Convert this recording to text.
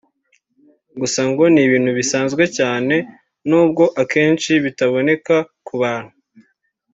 gusa ngo ni ibintu bisanzwe cyane n’ubwo akenshi bitaboneka ku bantu